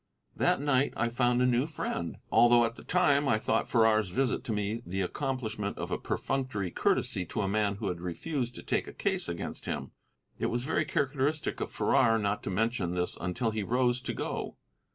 That night I found a new friend, although at the time I thought Farrar's visit to me the accomplishment of a perfunctory courtesy to a man who had refused to take a case against him. It was very characteristic of Farrar not to mention this until he rose to go.